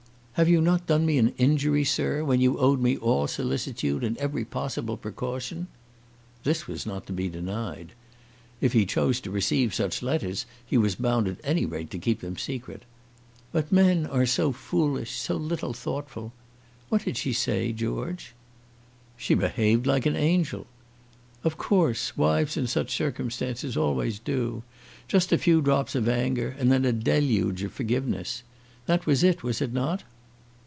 Have you not done me an injury, sir, when you owed me all solicitude and every possible precaution?" This was not to be denied. If he chose to receive such letters, he was bound at any rate to keep them secret. "But men are so foolish so little thoughtful! What did she say, George?" "She behaved like an angel." "Of course. Wives in such circumstances always do. Just a few drops of anger, and then a deluge of forgiveness. That was it, was it not?"